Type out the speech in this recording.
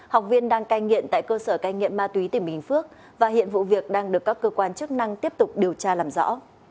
học viên đang cai nghiện tại cơ sở cai nghiện ma túy tỉnh bình phước và hiện vụ việc đang được các cơ quan chức năng tiếp tục điều tra làm rõ